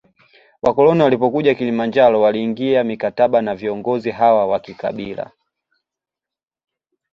Wakoloni walipokuja Kilimanjaro waliingia mikataba na viongozi hawa wa kikabila